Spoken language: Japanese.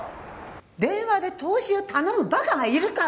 電話で投資を頼むバカがいるか？